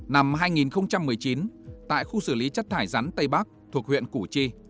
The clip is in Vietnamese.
năm hai nghìn một mươi chín tại khu xử lý chất thải rắn tây bắc thuộc huyện củ chi